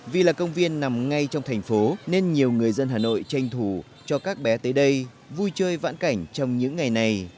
vì là công viên nằm ngay trong thành phố nên nhiều người dân hà nội tranh thủ cho các bé tới đây vui chơi vãn cảnh trong những ngày này